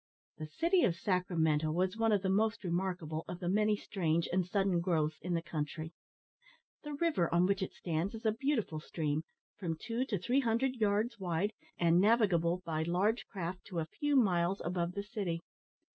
The city of Sacramento was one of the most remarkable of the many strange and sudden growths in the country. The river on which it stands is a beautiful stream, from two to three hundred yards wide, and navigable by large craft to a few miles above the city.